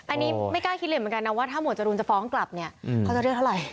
อันนี้ไม่กล้าคิดเลยเหมือนกันนะว่าถ้าหมวดจรูนจะฟ้องกลับเนี่ยเขาจะเรียกเท่าไหร่